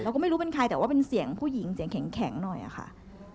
ก็ไม่รู้เป็นใครแต่ว่าเป็นเสียงผู้หญิงเสียงแข็งหน่อยอะค่ะ